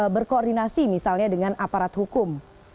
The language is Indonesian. berkoordinasi misalnya dengan aparat hukum